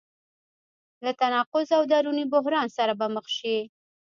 له تناقض او دروني بحران سره به مخ شي.